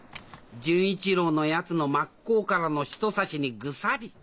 純一郎のやつの真っ向からの一刺しにグサリ。